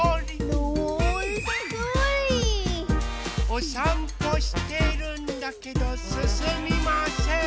おさんぽしているんだけどすすみません。